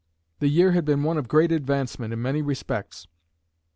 The year had been one of great advancement in many respects.